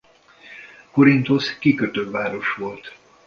Korinthosz kikötőváros volt.